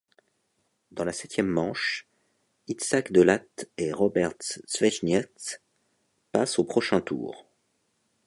Dans la septième manche, Itzhak de Laat et Roberts Zvejnieks passent au prochain tour.